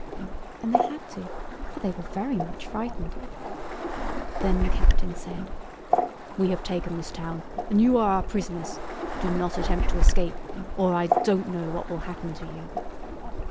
And they had to, for they were very much frightened. Then the Captain said— "We have taken this town, and you are our prisoners. Do not attempt to escape, or I don't know what will happen to you."